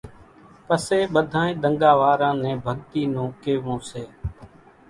پسي ٻڌانئين ۮنڳا واران نين ڀڳتي نون ڪيوون سي،